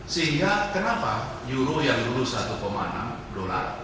sehingga kenapa euro yang lulus satu enam dolar